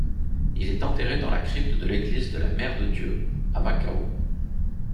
Il est enterré dans la crypte de l’église de la Mère-de-Dieu, à Macao.